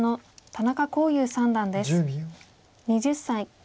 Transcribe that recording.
２０歳。